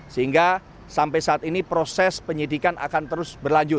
sehingga sampai saat ini proses penyidikan akan terus berlanjut